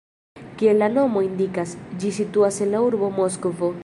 Kiel la nomo indikas, ĝi situas en la urbo Moskvo.